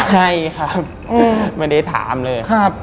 ให้ครับไม่ได้ถามเลย